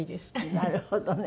なるほどね。